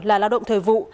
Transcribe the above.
là lao động thời vụ